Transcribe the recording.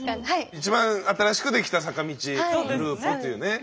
一番新しくできた坂道グループというね。